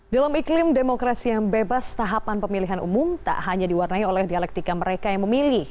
dalam iklim demokrasi yang bebas tahapan pemilihan umum tak hanya diwarnai oleh dialektika mereka yang memilih